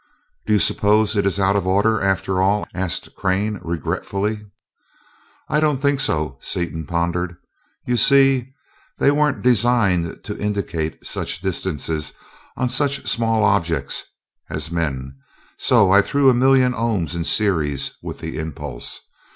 "Do you suppose it is out of order, after all?" asked Crane, regretfully. "I don't think so," Seaton pondered. "You see, they weren't designed to indicate such distances on such small objects as men, so I threw a million ohms in series with the impulse.